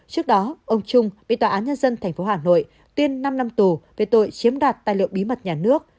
trước đó ông trung bị tòa án nhân dân tp hà nội tuyên năm năm tù về tội chiếm đoạt tài liệu bí mật nhà nước